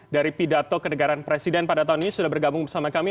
dari pidato kenegaran presiden pada tahun ini sudah bergabung bersama kami